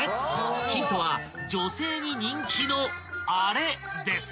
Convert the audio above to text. ［ヒントは女性に人気のあれです］